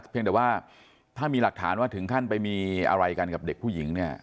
เพียงแต่ว่าถ้ามีหลักฐานว่าถึงขั้นไปมีอะไรกันกับเด็กผู้หญิงเนี่ย